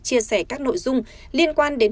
chia sẻ các nội dung liên quan đến